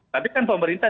tapi kan pemerintah